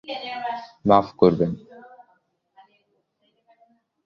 মাফ করবেন।